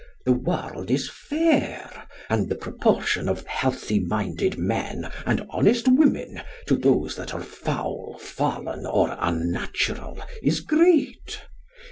The world is fair, and the proportion of healthy minded men and honest women to those that are foul, fallen or unnatural is great.